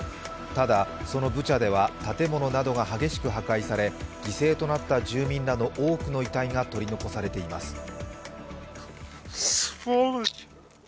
ただ、そのブチャでは建物などが激しく破壊され犠牲となった住民らの多くの遺体が取り残されています。